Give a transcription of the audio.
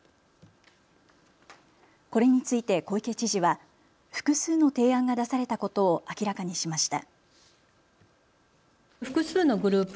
これについて小池知事は複数の提案が出されたことを明らかにしました。